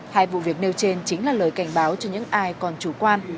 hai vụ việc nêu trên chính là lời cảnh báo cho những ai còn chủ quan